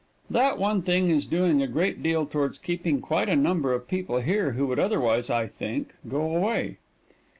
That one thing is doing a great deal towards keeping quite a number of people here who would otherwise, I think, go away.